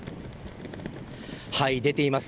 出ています。